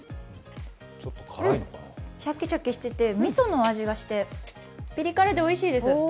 シャキシャキしてて、みその味がして、ピリ辛でおいしいです。